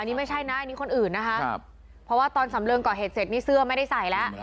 นี่ไม่ใช่นะอันนี้คนอื่นนะคะเพราะว่าตอนสำเริงก่อเหตุเสร็จนี่เสื้อไม่ได้ใส่แล้ว